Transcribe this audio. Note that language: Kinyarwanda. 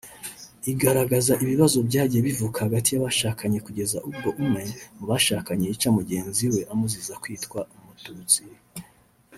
Igaragaza ibibazo byagiye bivuka hagati y’abashakanye kugeza ubwo umwe mu bashakanye yica mugenzi we amuziza kwitwa umututsi